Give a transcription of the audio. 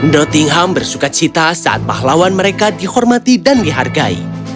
nottingham bersuka cita saat pahlawan mereka dihormati dan dihargai